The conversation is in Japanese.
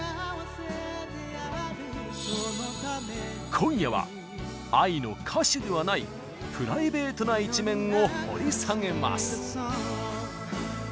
今夜はＡＩの歌手ではないプライベートな一面を掘り下げます！